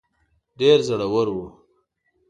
ډېر زړه ور وو.